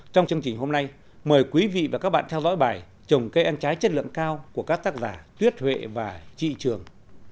trong chương trình hôm nay mời quý vị và các bạn theo dõi bài trồng cây ăn trái chất lượng cao của các tác giả tuyết huệ và chị trường